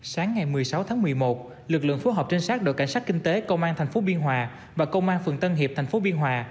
sáng ngày một mươi sáu tháng một mươi một lực lượng phối hợp trinh sát đội cảnh sát kinh tế công an tp biên hòa và công an phường tân hiệp tp biên hòa